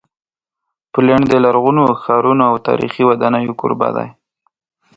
پولینډ د لرغونو ښارونو او تاریخي ودانیو کوربه دی.